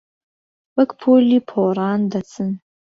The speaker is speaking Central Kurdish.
وەک پۆلی پۆڕان دەچن